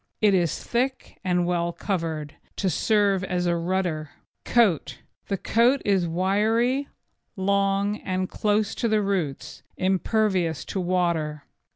It is thick and well covered, to serve as a rudder. COAT The coat is wiry, hard, long and close at the roots, impervious to water.